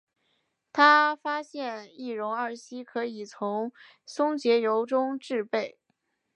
他发现异戊二烯可以从松节油中制备。